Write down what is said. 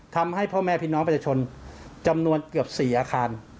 ทำให้พ่อแม่พี่น้องประชาชนจำนวนเกือบ๔อาคาร